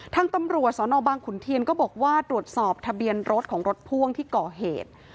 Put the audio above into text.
ทางตำรวจสนบางขุนเทียนก็บอกว่าตรวจสอบทะเบียนรถของรถพ่วงที่ก่อเหตุ